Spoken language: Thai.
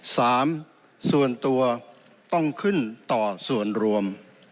ส่วนตัวต้องขึ้นต่อส่วนรวม